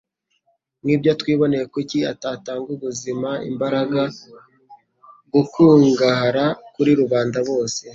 nk'ibyo twiboneye, kuki atatanga ubuzima, imbaraga gukungahara kuri rubanda bose,